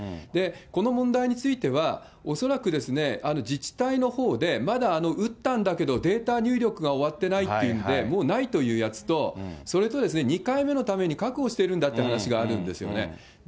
この問題については、恐らく、自治体のほうで打ったんだけどデータ入力が終わってないっていうんで、もうないっていうやつと、それと２回目のために確保してるんだっていう話があるんですよね。